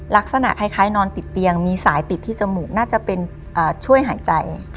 ลักษณะคล้ายนอนติดเตียงมีสายติดที่จมูกน่าจะเป็นช่วยหายใจ